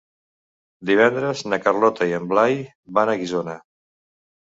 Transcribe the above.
Divendres na Carlota i en Blai van a Guissona.